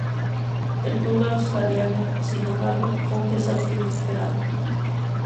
El tour australiano, sin embargo, fue un desastre inesperado.